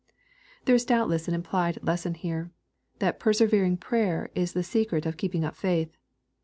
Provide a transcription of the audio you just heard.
There is doubtless an implied lesson here, that persevering prayer is the secret of keeping up faith.